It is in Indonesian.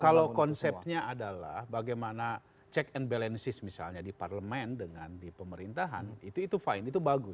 kalau konsepnya adalah bagaimana check and balances misalnya di parlemen dengan di pemerintahan itu fine itu bagus